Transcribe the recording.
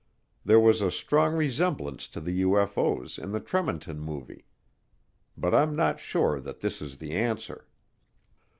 There was a strong resemblance to the UFO's in the Tremonton Movie. But I'm not sure that this is the answer.